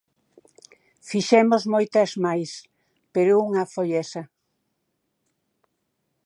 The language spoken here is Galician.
Fixemos moitas máis, pero unha foi esa.